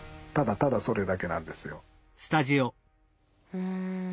うん。